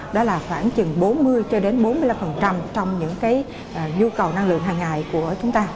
đó là khoảng chừng bốn mươi bốn mươi năm trong những cái nhu cầu năng lượng hàng ngày của chúng ta